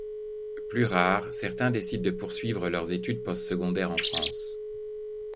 Plus rares, certains décident de poursuivre leurs études post-secondaires en France.